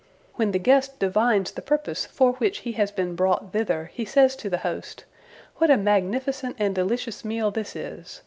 When the guest divines the purpose for which he has been brought thither, he says to the host: "What a magnificent and delicious meal this is!